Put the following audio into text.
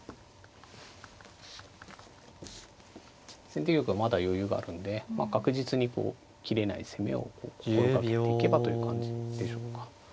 先手玉はまだ余裕があるんで確実にこう切れない攻めを心掛けていけばという感じでしょうか。